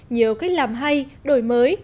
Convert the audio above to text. nhiều cách làm hay đổi mới